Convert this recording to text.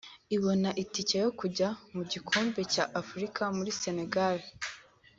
ibona itike yo kujya mu gikombe cya Afurika muri Senegal